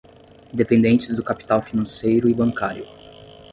dependentes do capital financeiro e bancário